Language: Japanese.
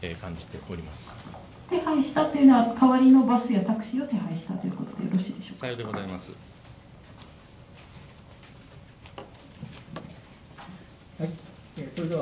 手配したというのは代わりのバスやタクシーを手配したということでよろしいでしょうか。